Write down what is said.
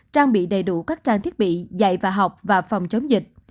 trang bị đầy đủ các trang thiết bị dạy và học và phòng chống dịch